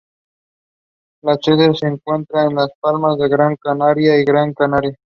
Su sede se encuentra en Las Palmas de Gran Canaria, Gran Canaria.